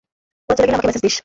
ওরা চলে গেলে আমাকে ম্যাসেজ দিস।